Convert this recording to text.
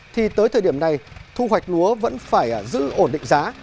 thì tới thời điểm này thu hoạch lúa vẫn phải giữ ổn định giá